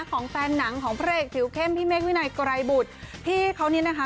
ของแฟนหนังของผลิตฮิวเข้มพี่เมฆวินัยไกรบุษที่เขานี้นะคะ